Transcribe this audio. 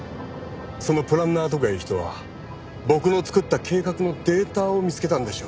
そのプランナーとかいう人は僕の作った計画のデータを見つけたんでしょう。